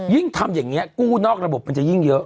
ทำอย่างนี้กู้นอกระบบมันจะยิ่งเยอะ